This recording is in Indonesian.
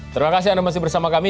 terima kasih anda masih bersama kami